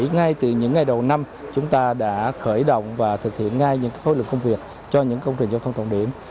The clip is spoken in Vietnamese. ngay từ những ngày đầu năm chúng ta đã khởi động và thực hiện ngay những khối lực công việc cho những công trình giao thông trọng điểm